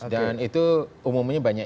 dan itu umumnya banyak